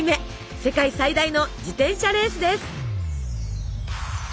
世界最大の自転車レースです。